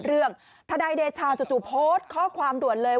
คดีของคุณบอสอยู่วิทยาคุณบอสอยู่วิทยาคุณบอสอยู่ความเร็วของรถเปลี่ยน